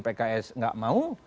pks gak mau